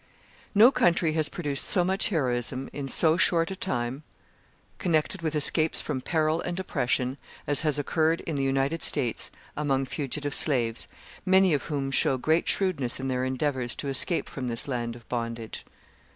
No country has produced so much heroism in so short a time, connected with escapes from peril and oppression, as has occurred in the United States among fugitive slaves, many of whom show great shrewdness in their endeavours to escape from this land of bondage.